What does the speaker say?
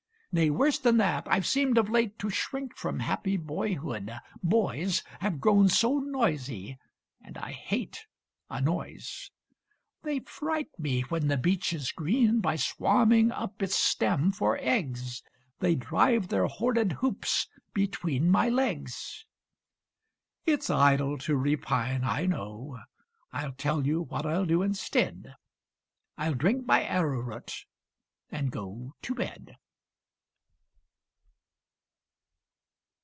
Nay, worse than that, I've seemed of late To shrink from happy boyhood boys Have grown so noisy, and I hate A noise. They fright me when the beech is green, By swarming up its stem for eggs; They drive their horrid hoops between My legs. It's idle to repine, I know; I'll tell you what I'll do instead: I'll drink my arrowroot, and go To bed.